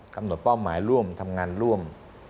เป้าหมายร่วมทำงานร่วม